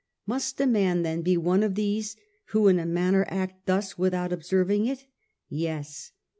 Must a man then be one of these, who in a manner act thus without observing it ? Yes.